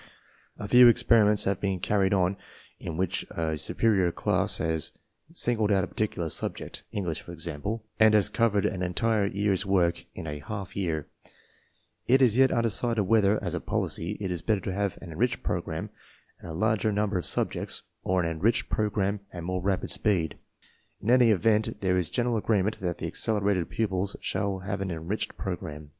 A few experiments have been carried on in which a su perior class has singled out a particular subject — English, for example — and has covered an entire year's work in a half year. It is yet undecided whether, as a policy, it is better to have an enriched program and a larger number of subjects, or an enriched program 50 TESTS AND SCHOOL REORGANIZATION and more rapid speed. In any event, there is general agreement that the accelerated pupils shall have an enriched program.